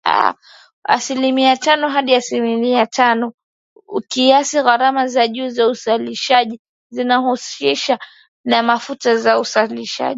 Asilimia tano hadi asilimia tano, ukiakisi gharama za juu za uzalishaji zinazohusishwa na mafuta na usafirishaji.